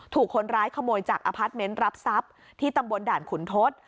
ถูกคนร้ายขโมยจากอพาร์ทเมนต์รับทรัพย์ที่ตำบลด่านขุนทศ